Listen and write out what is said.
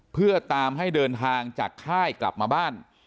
เพื่อตามให้เดินทางจากค่ายกลับมาบ้าน